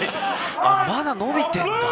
まだ伸びてるんだ。